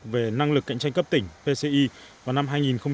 về năng lực cạnh tranh cấp tỉnh pci vào năm hai nghìn hai mươi